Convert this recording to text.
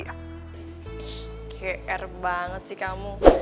ih keker banget sih kamu